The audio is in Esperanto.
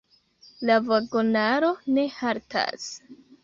La vagonaro ne haltas.